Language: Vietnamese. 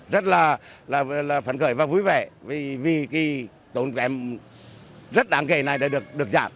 rất là phấn khởi và vui vẻ vì tổ chức em rất đáng kể này đã được giảng